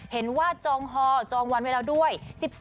เห็นว่าจองฮอจองวันเวลาด้วย